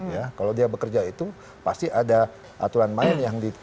ya kalau dia bekerja itu pasti ada aturan main yang